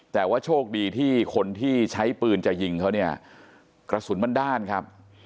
แต่ว่าโชคดีที่คนที่ใช้ปืนจะยิงเขาเนี่ยกระสุนมันด้านครับ